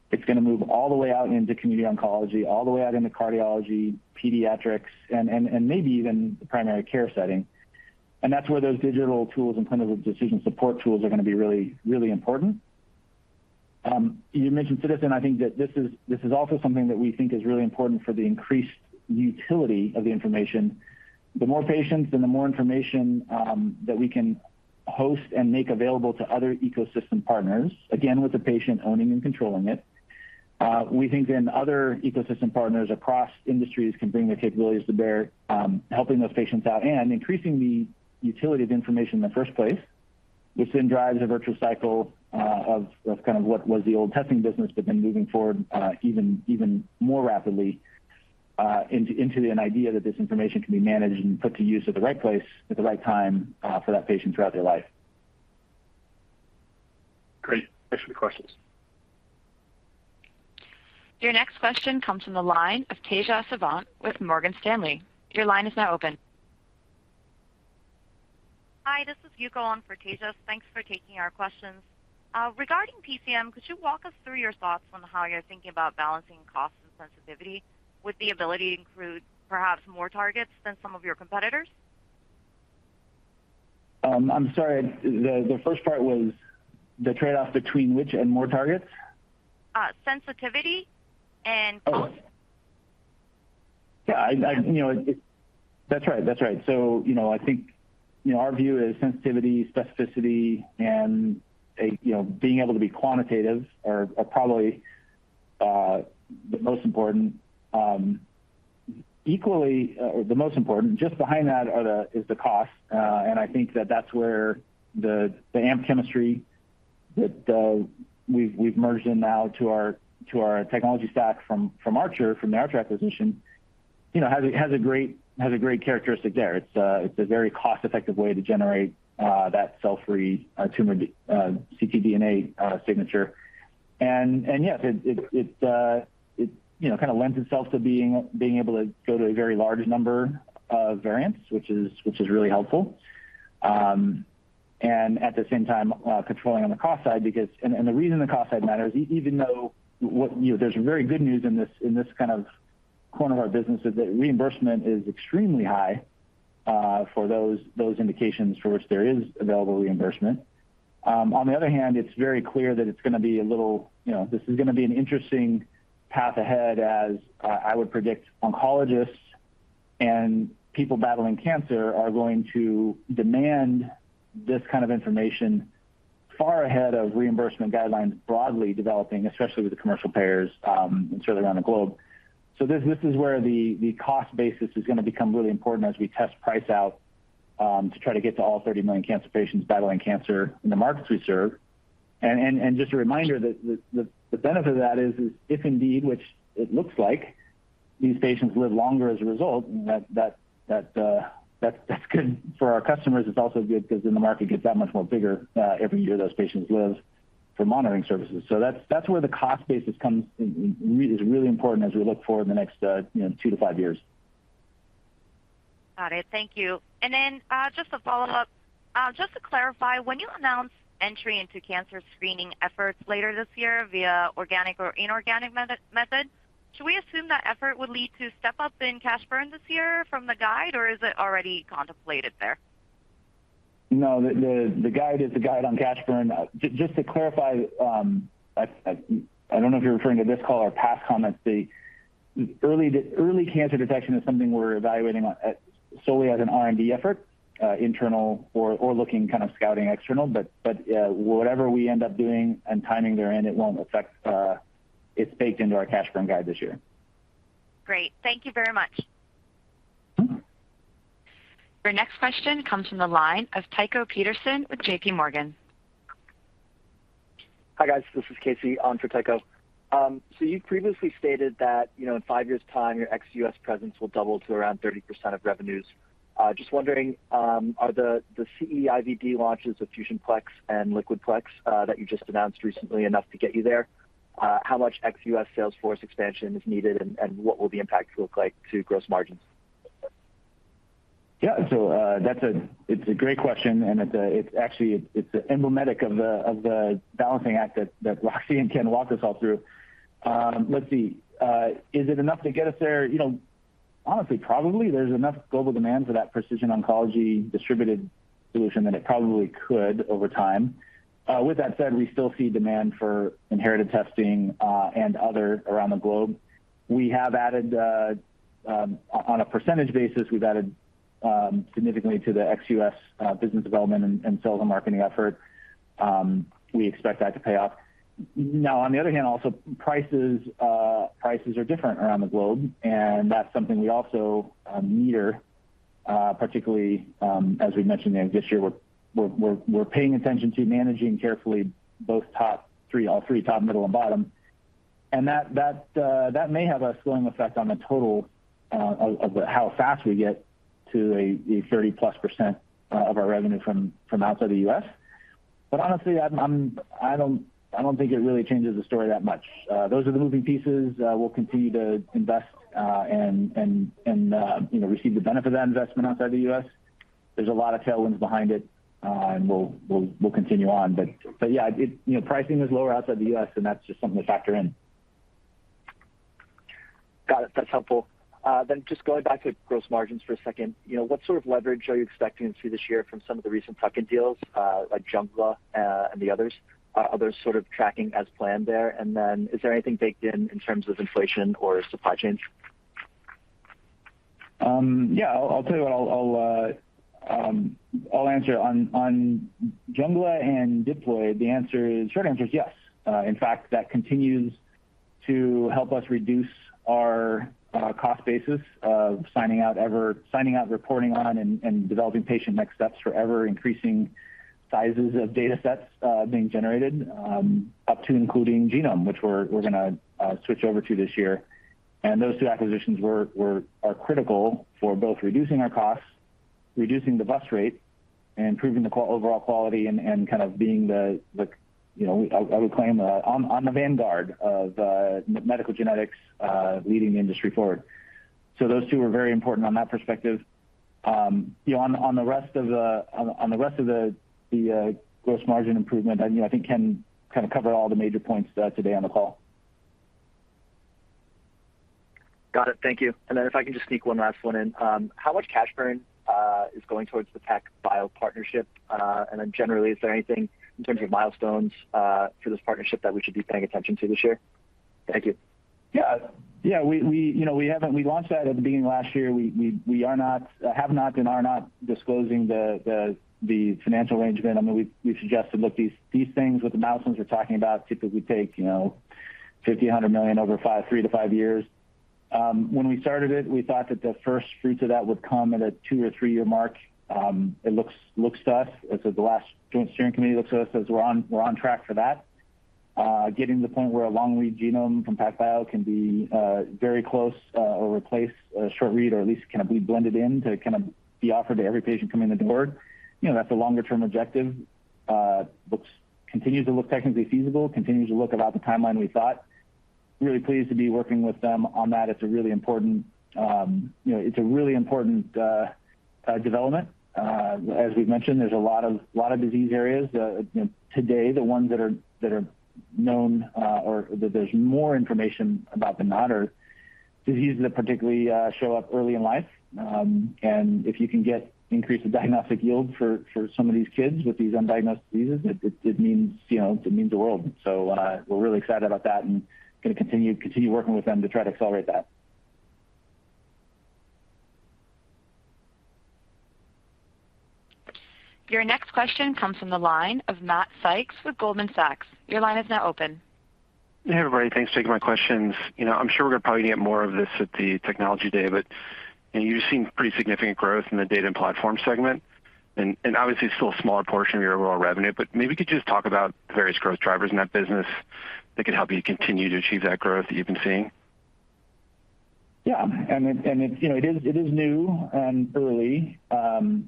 It's going to move all the way out into community oncology, all the way out into cardiology, pediatrics, and maybe even the primary care setting. That's where those digital tools and clinical decision support tools are going to be really, really important. You mentioned Ciitizen, I think that this is also something that we think is really important for the increased utility of the information. The more patients and the more information that we can host and make available to other ecosystem partners, again, with the patient owning and controlling it, we think then other ecosystem partners across industries can bring their capabilities to bear, helping those patients out and increasing the utility of the information in the first place, which then drives a virtuous cycle of kind of what was the old testing business, but then moving forward, even more rapidly, into an idea that this information can be managed and put to use at the right place at the right time, for that patient throughout their life. Great. Thanks for the questions. Your next question comes from the line of Tejas Savant with Morgan Stanley. Your line is now open. Hi, this is Yuko on for Tejas. Thanks for taking our questions. Regarding PCM, could you walk us through your thoughts on how you're thinking about balancing cost and sensitivity with the ability to include perhaps more targets than some of your competitors? I'm sorry. The first part was the trade-off between which and more targets? Sensitivity and cost. Yeah, you know, that's right. You know, I think, you know, our view is sensitivity, specificity, and, you know, being able to be quantitative are probably the most important, equally or the most important. Just behind that is the cost. I think that's where the AMP chemistry that we've merged in now to our technology stack from Archer, from the Archer acquisition, you know, has a great characteristic there. It's a very cost-effective way to generate that cell-free tumor ctDNA signature. Yes, it you know kind of lends itself to being able to go to a very large number of variants, which is really helpful and at the same time controlling on the cost side because the reason the cost side matters, even though you know there's very good news in this kind of corner of our business is that reimbursement is extremely high for those indications for which there is available reimbursement. On the other hand, it's very clear that it's going to be a little, you know, this is going to be an interesting path ahead as I would predict oncologists and people battling cancer are going to demand this kind of information far ahead of reimbursement guidelines broadly developing, especially with the commercial payers, and certainly around the globe. This is where the cost basis is going to become really important as we test price out to try to get to all 30 million cancer patients battling cancer in the markets we serve. Just a reminder that the benefit of that is if indeed, which it looks like these patients live longer as a result, that's good for our customers. It's also good because then the market gets that much more bigger every year those patients live for monitoring services. That's where the cost basis comes really important as we look forward in the next, you know, two-five years. Got it. Thank you. Just a follow-up. Just to clarify, when you announce entry into cancer screening efforts later this year via organic or inorganic method, should we assume that effort would lead to step-up in cash burn this year from the guide, or is it already contemplated there? No, the guide is the guide on cash burn. Just to clarify, I don't know if you're referring to this call or past comments. The early cancer detection is something we're evaluating solely as an R&D effort, internal or looking kind of scouting external. Whatever we end up doing and timing therein, it won't affect. It's baked into our cash burn guide this year. Great. Thank you very much. Your next question comes from the line of Tycho Peterson with JP Morgan. Hi, guys. This is Casey on for Tycho Peterson. So you previously stated that, you know, in five years' time, your ex-U.S. presence will double to around 30% of revenues. Just wondering, are the CE IVD launches of FusionPlex and LiquidPlex that you just announced recently enough to get you there? How much ex-U.S. sales force expansion is needed, and what will the impact look like to gross margins? That's a great question, and it's actually emblematic of the balancing act that Roxi and Ken walked us all through. Let's see. Is it enough to get us there? You know, honestly, probably. There's enough global demand for that precision oncology distributed solution that it probably could over time. With that said, we still see demand for inherited testing and other around the globe. We have added, on a percentage basis, significantly to the ex-U.S. business development and sales and marketing effort. We expect that to pay off. Now, on the other hand, prices are different around the globe, and that's something we also monitor, particularly, as we mentioned this year. We're paying attention to managing carefully both top, middle, and bottom. That may have a slowing effect on the total of how fast we get to 30%+ of our revenue from outside the U.S. But honestly, I don't think it really changes the story that much. Those are the moving pieces. We'll continue to invest and, you know, receive the benefit of that investment outside the U.S. There's a lot of tailwinds behind it, and we'll continue on. Yeah, you know, pricing is lower outside the U.S., and that's just something to factor in. Got it. That's helpful. Just going back to gross margins for a second, you know, what sort of leverage are you expecting to see this year from some of the recent tuck-in deals, like Jungla, and the others? Are those sort of tracking as planned there? And then is there anything baked in terms of inflation or supply chains? Yeah. I'll tell you what I'll answer. On Jungla and Diploid, the short answer is yes. In fact, that continues to help us reduce our cost basis of signing out, reporting on, and developing patient next steps for ever increasing sizes of data sets being generated, up to including genome, which we're gonna switch over to this year. Those two acquisitions are critical for both reducing our costs, reducing the burn rate, and improving the overall quality and kind of being the you know, I would claim on the vanguard of medical genetics, leading the industry forward. Those two are very important on that perspective. You know, on the rest of the gross margin improvement, you know, I think Ken kind of covered all the major points today on the call. Got it. Thank you. If I can just sneak one last one in. How much cash burn is going towards the PacBio partnership? Generally, is there anything in terms of milestones for this partnership that we should be paying attention to this year? Thank you. We haven't. We launched that at the beginning of last year. We have not and are not disclosing the financial arrangement. I mean, we suggested, look, these things with the milestones we're talking about typically take, you know, $50 million-$100 million over three to five years. When we started it, we thought that the first fruits of that would come at a two or three year mark. It looks to us, as the last joint steering committee looks to us, says we're on track for that. Getting to the point where a long-read genome from PacBio can be very close or replace a short read or at least kind of be blended in to kind of be offered to every patient coming in the door, you know, that's a longer term objective. Continues to look technically feasible, about the timeline we thought. Really pleased to be working with them on that. It's a really important development, you know. As we've mentioned, there's a lot of disease areas. You know, today, the ones that are known or that there's more information about than not are diseases that particularly show up early in life. If you can get increased diagnostic yield for some of these kids with these undiagnosed diseases, it means, you know, it means the world. We're really excited about that and gonna continue working with them to try to accelerate that. Your next question comes from the line of Matt Sykes with Goldman Sachs. Your line is now open. Hey, everybody. Thanks for taking my questions. You know, I'm sure we're gonna probably get more of this at the technology day, but, you know, you've seen pretty significant growth in the data and platform segment. Obviously, it's still a smaller portion of your overall revenue, but maybe could you just talk about the various growth drivers in that business that could help you continue to achieve that growth that you've been seeing? It's new and early, you know,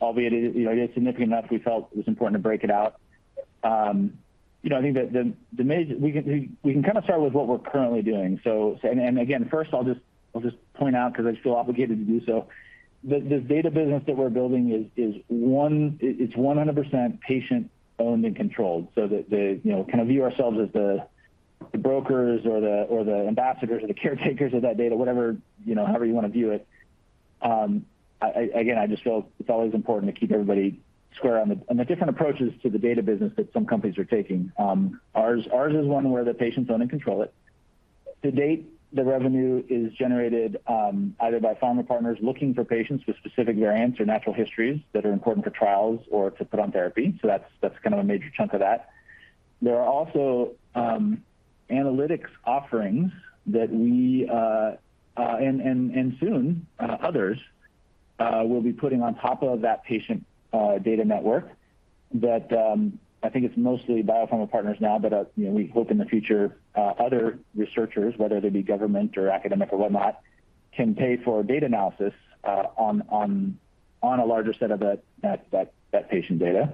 albeit it is significant enough, we felt it was important to break it out. You know, I think we can kind of start with what we're currently doing. Again, first of all, I'll just point out because I feel obligated to do so, the data business that we're building is one. It's 100% patient owned and controlled. We, you know, kind of view ourselves as the brokers or the ambassadors or the caretakers of that data, whatever, you know, however you wanna view it. Again, I just feel it's always important to keep everybody square on the different approaches to the data business that some companies are taking. Ours is one where the patients own and control it. To date, the revenue is generated either by pharma partners looking for patients with specific variants or natural histories that are important for trials or to put on therapy. That's kind of a major chunk of that. There are also analytics offerings that we and soon others will be putting on top of that patient data network that I think it's mostly biopharma partners now, but you know, we hope in the future other researchers, whether they be government or academic or whatnot, can pay for data analysis on a larger set of that patient data.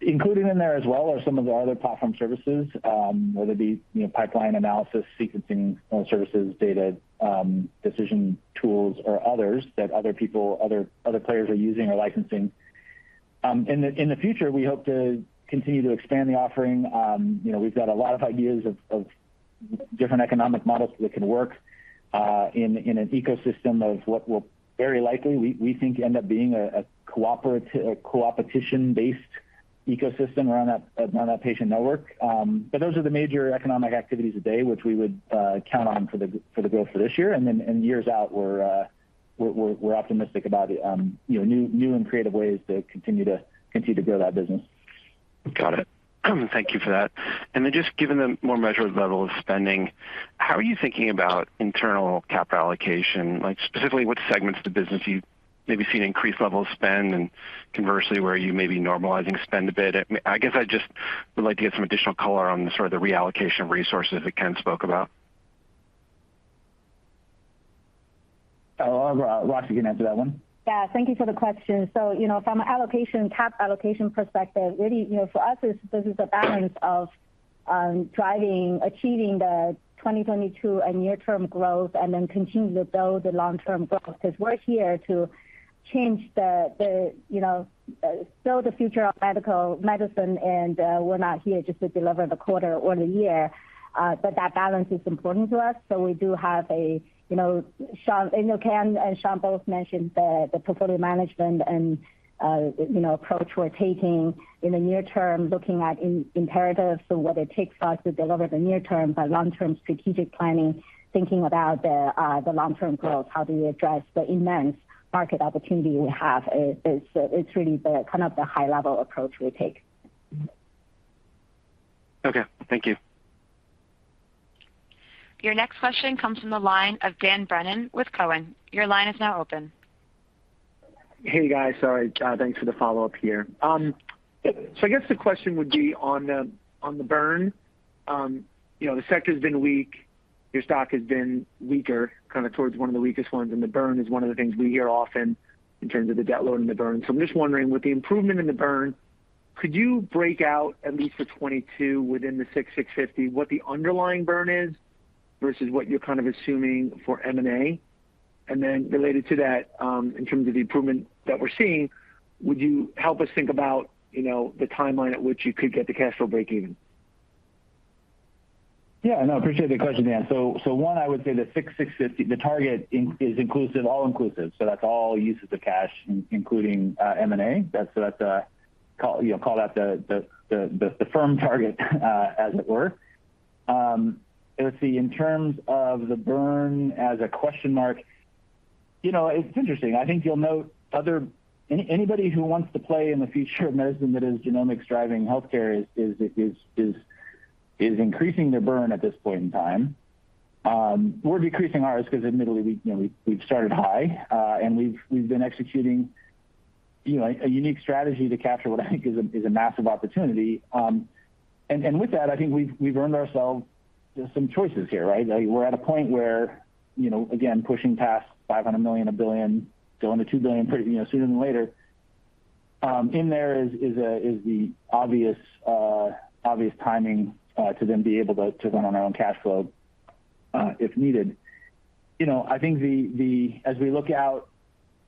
Included in there as well are some of the other platform services, whether it be you know pipeline analysis, sequencing services, data decision tools or others that other people other players are using or licensing. In the future, we hope to continue to expand the offering. You know, we've got a lot of ideas of different economic models that can work in an ecosystem of what will very likely we think end up being a competition-based ecosystem around that patient network. Those are the major economic activities today, which we would count on for the growth for this year. Then in years out, we're optimistic about, you know, new and creative ways to continue to grow that business. Got it. Thank you for that. Just given the more measured level of spending, how are you thinking about internal capital allocation? Like specifically, what segments of the business you maybe see an increased level of spend, and conversely, where you may be normalizing spend a bit? I guess I just would like to get some additional color on the sort of reallocation of resources that Ken spoke about. Oh, Roxi can answer that one. Yeah. Thank you for the question. You know, from a capital allocation perspective, really, you know, for us, this is a balance of Achieving the 2022 and near-term growth and then continue to build the long-term growth. 'Cause we're here to change the you know build the future of medicine, and we're not here just to deliver the quarter or the year. That balance is important to us, so we do have a you know Sean and Ken both mentioned the portfolio management and you know approach we're taking in the near term, looking at imperatives and what it takes us to deliver the near term. Long-term strategic planning, thinking about the long-term growth, how do we address the immense market opportunity we have is really the kind of high-level approach we take. Okay, thank you. Your next question comes from the line of Dan Brennan with Cowen. Your line is now open. Hey, guys. Sorry, thanks for the follow-up here. I guess the question would be on the burn. You know, the sector's been weak, your stock has been weaker, kind of towards one of the weakest ones, and the burn is one of the things we hear often in terms of the debt load and the burn. I'm just wondering, with the improvement in the burn, could you break out at least for 2022 within the $650 what the underlying burn is versus what you're kind of assuming for M&A? Then related to that, in terms of the improvement that we're seeing, would you help us think about, you know, the timeline at which you could get to cash flow breakeven? Yeah, no, appreciate the question, Dan. One, I would say the $650 target is inclusive, all-inclusive, so that's all uses of cash including M&A. That's you know, call that the firm target as it were. Let's see. In terms of the burn as a question mark, you know, it's interesting. I think you'll note anybody who wants to play in the future of medicine that is genomics driving healthcare is increasing their burn at this point in time. We're decreasing ours 'cause admittedly we, you know, we've started high and we've been executing, you know, a unique strategy to capture what I think is a massive opportunity. And with that, I think we've earned ourselves some choices here, right? Like we're at a point where, you know, again, pushing past $500 million, $1 billion, going to $2 billion pretty, you know, sooner than later. In there is the obvious timing to be able to run on our own cash flow if needed. You know, I think as we look out,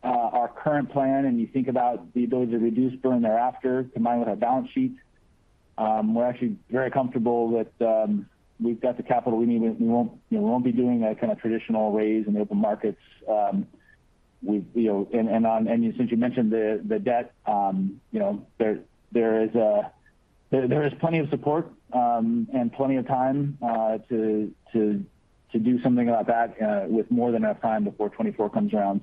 our current plan and you think about the ability to reduce burn thereafter, combined with our balance sheets, we're actually very comfortable with we've got the capital we need. We won't, you know, be doing a kind of traditional raise in the open markets, we've, you know. Since you mentioned the debt, you know, there is plenty of support and plenty of time to do something about that with more than enough time before 2024 comes around.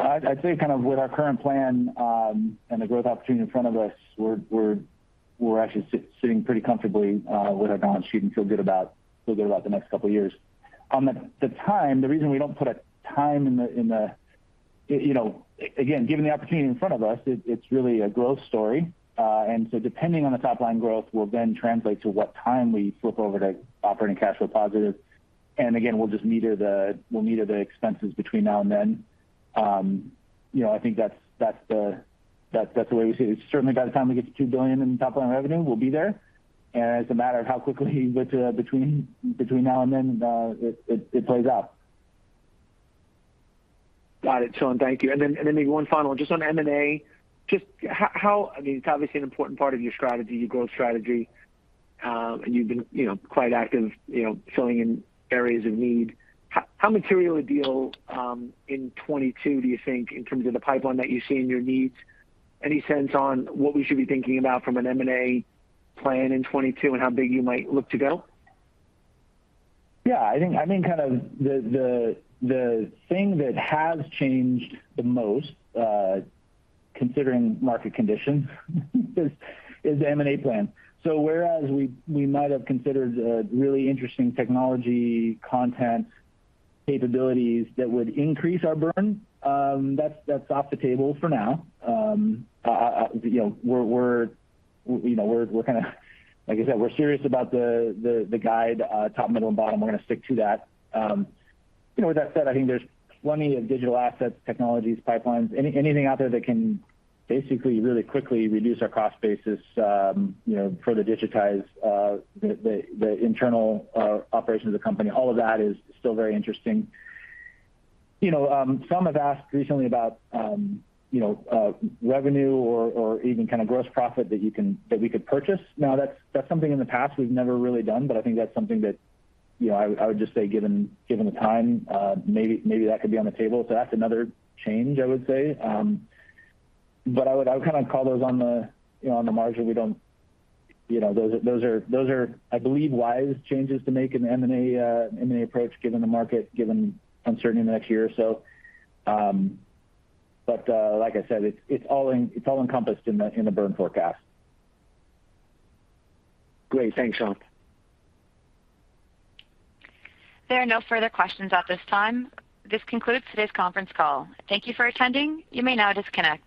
I'd say kind of with our current plan and the growth opportunity in front of us, we're actually sitting pretty comfortably with our balance sheet and feel good about the next couple years. The reason we don't put a time in the, you know, again, given the opportunity in front of us, it's really a growth story. Depending on the top line growth will then translate to what time we flip over to operating cash flow positive. We'll just meter the expenses between now and then. You know, I think that's the way we see it. Certainly by the time we get to $2 billion in top line revenue, we'll be there. It's a matter of how quickly we get to between now and then, it plays out. Got it, Sean. Thank you. Maybe one final question. Just on M&A. I mean, it's obviously an important part of your strategy, your growth strategy, and you've been, you know, quite active, you know, filling in areas of need. How material a deal in 2022 do you think in terms of the pipeline that you see in your needs? Any sense on what we should be thinking about from an M&A plan in 2022 and how big you might look to go? Yeah. I think kind of the thing that has changed the most considering market conditions is the M&A plan. Whereas we might have considered a really interesting technology content capabilities that would increase our burn, that's off the table for now. You know, we're kind of like I said, we're serious about the guide, top, middle, and bottom. We're gonna stick to that. You know, with that said, I think there's plenty of digital assets, technologies, pipelines, anything out there that can basically really quickly reduce our cost basis, you know, further digitize the internal operations of the company. All of that is still very interesting. You know, some have asked recently about, you know, revenue or even kind of gross profit that we could purchase. Now that's something in the past we've never really done, but I think that's something that, you know, I would just say given the time, maybe that could be on the table. That's another change, I would say. I would kind of call those on the, you know, on the margin. We don't, you know, those are, I believe, wise changes to make in the M&A approach given the market, given uncertainty in the next year or so. Like I said, it's all encompassed in the burn forecast. Great. Thanks, Sean. There are no further questions at this time. This concludes today's conference call. Thank you for attending. You may now disconnect.